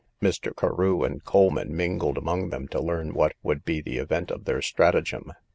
Mr. Carew and Coleman mingled among them to learn what would be the event of their stratagem.